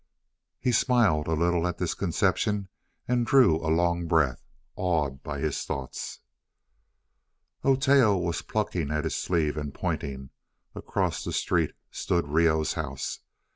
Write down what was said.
He smiled a little at this conception, and drew a long breath awed by his thoughts. Oteo was plucking at his sleeve and pointing. Across the street stood Reoh's house.